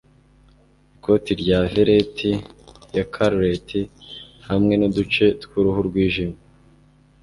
Ikoti ya veleti ya claret, hamwe nuduce twuruhu rwijimye;